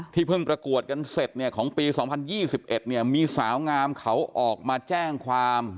เพิ่งประกวดกันเสร็จเนี่ยของปี๒๐๒๑มีสาวงามเขาออกมาแจ้งความ